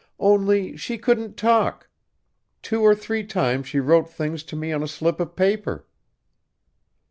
"Only she couldn't talk. Two or three times she wrote things to me on a slip of paper."